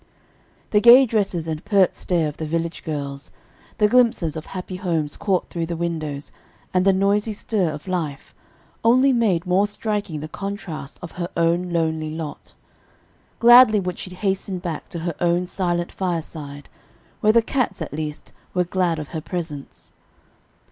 The gay dresses and pert stare of the village girls, the glimpses of happy homes caught through the windows, and the noisy stir of life, only made more striking the contrast of her own lonely lot. Gladly would she hasten back to her own silent fireside, where the cats, at least, were glad of her presence.